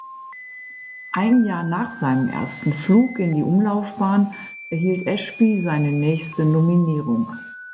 Ein Jahr nach seinem ersten Flug in die Umlaufbahn erhielt Ashby seine nächste Nominierung.